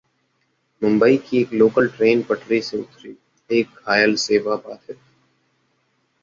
मुंबई की एक local train पटरी से उतरी, एक घायल, सेवा बाधित